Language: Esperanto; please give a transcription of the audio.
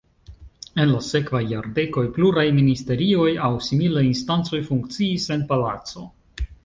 En la sekvaj jardekoj pluraj ministerioj aŭ similaj instancoj funkciis en la palaco.